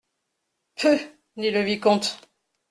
Peuh ! dit le vicomte.